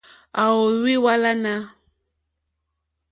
À óhwì hwálánà.